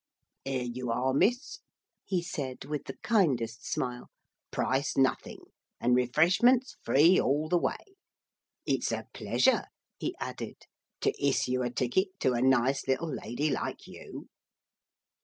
'Here you are, Miss,' he said with the kindest smile, 'price nothing, and refreshments free all the way. It's a pleasure,' he added, 'to issue a ticket to a nice little lady like you.'